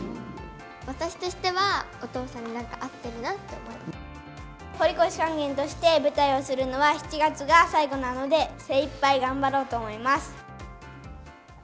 私としては、お父さんに、堀越勸玄として舞台をするのは、７月が最後なので、精いっぱい頑張ろうと思います。